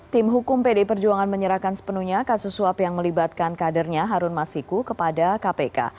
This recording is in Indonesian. tim hukum pdi perjuangan menyerahkan sepenuhnya kasus suap yang melibatkan kadernya harun masiku kepada kpk